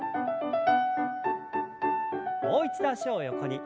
もう一度脚を横に。